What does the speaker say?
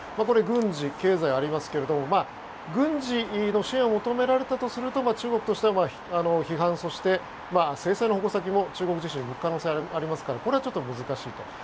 これは軍事、経済ありますが軍事の支援を求められたとすると中国としては批判そして、制裁の矛先も中国自身に向く可能性がありますからこれはちょっと難しいと。